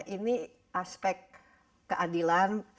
ini aspek keadilan